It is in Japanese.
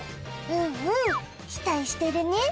うんうん期待してるね